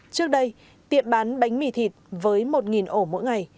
trước đây tiệm bán bánh mì thịt với một ổ mỗi ngày